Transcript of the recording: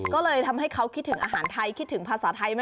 ก็เลยทำให้เขาคิดถึงอาหารไทยคิดถึงภาษาไทย